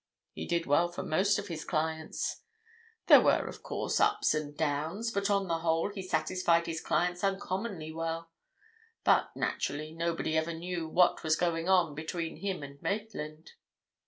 He did well for most of his clients—there were, of course, ups and downs, but on the whole he satisfied his clients uncommonly well. But, naturally, nobody ever knew what was going on between him and Maitland."